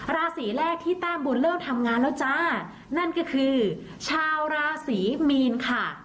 ราศีแรกที่แต้มบุญเลิกทำงานแล้วจ้านั่นก็คือชาวราศีมีนค่ะ